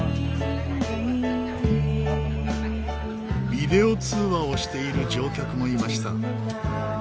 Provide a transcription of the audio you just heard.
ビデオ通話をしている乗客もいました。